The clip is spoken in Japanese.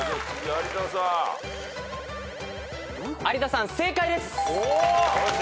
有田さん正解です。